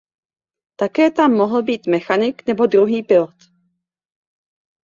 Také tam mohl být mechanik nebo druhý pilot.